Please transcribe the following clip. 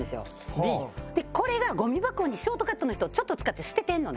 でこれがゴミ箱にショートカットの人ちょっと使って捨ててるのね。